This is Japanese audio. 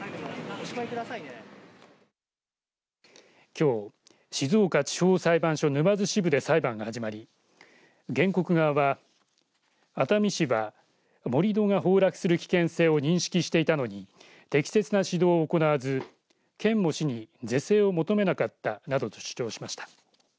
きょう静岡地方裁判所沼津支部で裁判が始まり原告側は熱海市は盛り土が崩落する危険性を認識していたのに適切な指導を行わず県も市に是正を求めなかったなどと主張しました。